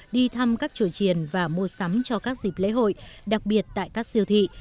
và các hội trợ đi thăm các chủ truyền và mua sắm cho các dịp lễ hội đặc biệt tại các siêu thị